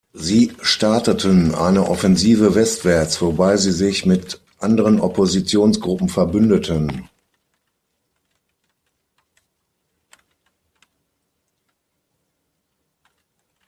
Sie starteten eine Offensive westwärts, wobei sie sich mit anderen Oppositionsgruppen verbündeten.